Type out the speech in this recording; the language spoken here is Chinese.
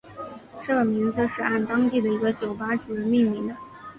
这个名字是按当地的一个酒吧主人命名的。